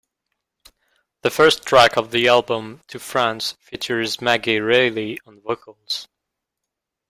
The first track of the album, "To France", features Maggie Reilly on vocals.